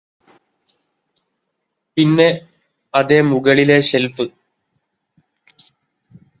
പിന്നെ അതെ മുകളിലെ ഷെല്ഫ്